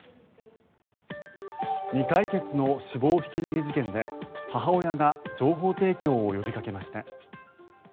未解決の死亡ひき逃げ事件で母親が情報提供を呼びかけました。